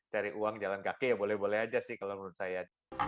cari uang jalan kaki ya boleh boleh aja sih kalau menurut saya